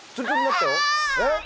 えっ？